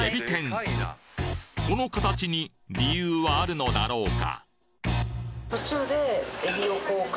この形に理由はあるのだろうか？